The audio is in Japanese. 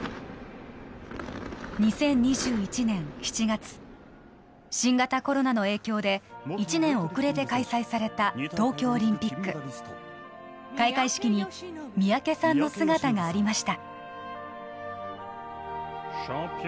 ２０２１年７月新型コロナの影響で１年遅れて開催された東京オリンピック開会式に三宅さんの姿がありました